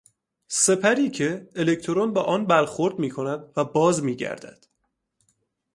سپری که الکترون به آن برخورد میکند و باز میگردد